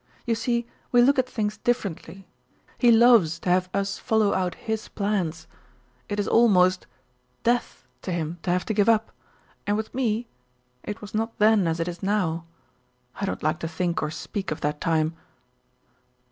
You see we look at things differently. He loves to have us follow out his plans. It is almost death to him to have to give up; and with me it was not then as it is now. I don't like to think or speak of that time."